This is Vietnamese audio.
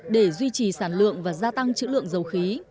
để duy trì sản lượng và gia tăng chữ lượng dầu khí